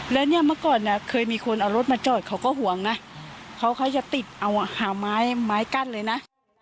แล้วเนี่ยเมื่อก่อนเนี่ยเคยมีคนเอารถมาจอดเขาก็ห่วงนะเขาเขาจะติดเอาหาไม้ไม้กั้นเลยนะ